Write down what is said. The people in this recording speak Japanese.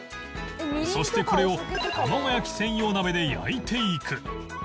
そしてこれをたまご焼き専用鍋で焼いていく